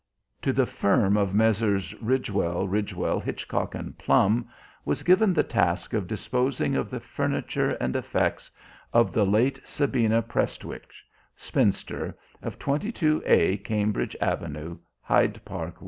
To the firm of Messrs. Ridgewell, Ridgewell, Hitchcock and Plum was given the task of disposing of the furniture and effects of the late Sabina Prestwich, spinster, of 22a Cambridge Avenue, Hyde Park, W.